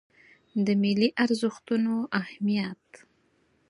د ملي ارزښتونو اهمیت